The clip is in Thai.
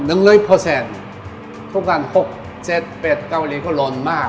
เอ้อเดือน๖เดือน๗เดือน๘ที่เกาหลีจะร้อนมาก